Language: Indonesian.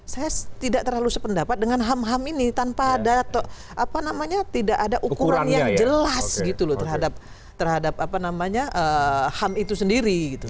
saya tidak terlalu sependapat dengan ham ham ini tanpa ada ukuran yang jelas gitu loh terhadap ham itu sendiri